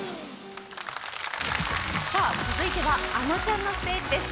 続いてはａｎｏちゃんのステージです。